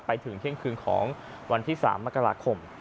ไปถึงเที่ยงคืนของวันที่๓มกราคม